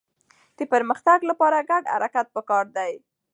د پرمختګ لپاره ګډ حرکت پکار دی.